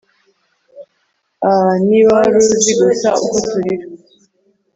Ah Niba wari uzi gusa uko turira